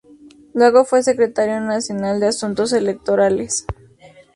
Luego fue Secretario Nacional de Asuntos Electorales.